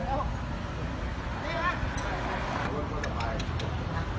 หลีกได้ครับ